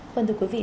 vâng thưa quý vị